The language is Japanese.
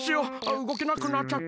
うごけなくなっちゃった。